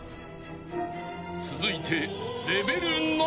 ［続いて］